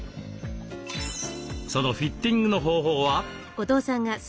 そのフィッティングの方法は？